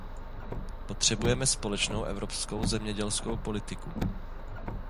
Potřebujeme společnou evropskou zemědělskou politiku.